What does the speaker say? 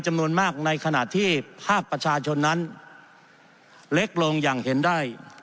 จำนวนมากในขณะที่ภาคประชาชนนั้นเล็กลงอย่างเห็นได้